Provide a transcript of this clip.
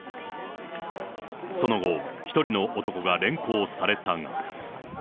その後、１人の男が連行されたが。